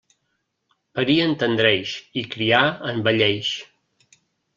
Parir entendreix i criar envelleix.